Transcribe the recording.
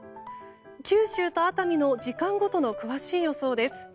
九州と熱海の時間ごとの詳しい予想です。